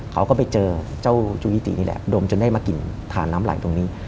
เขาก็ไปเจอเจ้าจูยิตินี่แหละดมจนได้มากลิ่นทานน้ำไหลตรงนี้